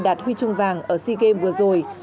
đạt huy trung vàng ở sea games vừa rồi